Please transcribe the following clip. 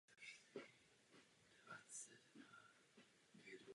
Sály jsou obdélníkového tvaru a jsou zdobené mramorem.